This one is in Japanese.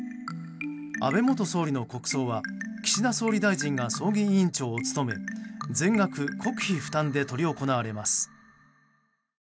安倍元総理の国葬は岸田総理大臣が葬儀委員長を務め全額国費負担で執り行われます。